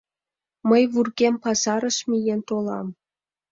Мый вургем пазарыш миен толам.